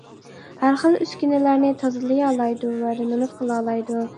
ھەر خىل ئۈسكۈنىلەرنى تازىلىيالايدۇ ۋە رېمونت قىلالايدۇ.